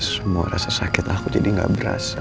semua rasa sakit aku jadi gak berasa